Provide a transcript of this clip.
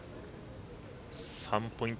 ３ポイント